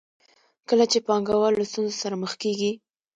کله چې پانګوال له ستونزو سره مخ کېږي